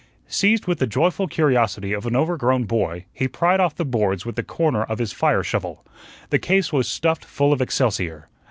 Seized with the joyful curiosity of an overgrown boy, he pried off the boards with the corner of his fireshovel. The case was stuffed full of excelsior.